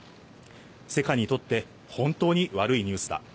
世界にとって本当に悪いニュースだ。